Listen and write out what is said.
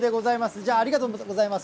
じゃあ、ありがとうございます。